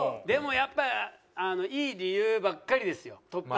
でもやっぱいい理由ばっかりですよ。